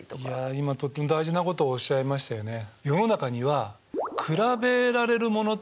いや今とっても大事なことをおっしゃいましたよね。